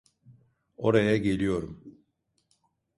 Oraya geliyorum.